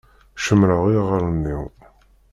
Cemmṛeɣ iɣallen-iw.